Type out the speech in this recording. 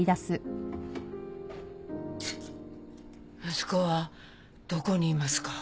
息子はどこにいますか？